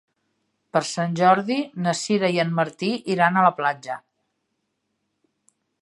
Per Sant Jordi na Sira i en Martí iran a la platja.